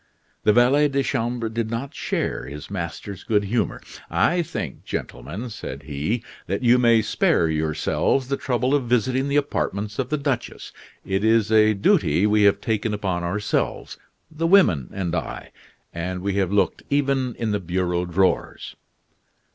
The valet de chambre did not share his master's good humor. "I think, gentlemen," said he, "that you may spare yourselves the trouble of visiting the apartments of the duchess. It is a duty we have taken upon ourselves the women and I and we have looked even in the bureau drawers."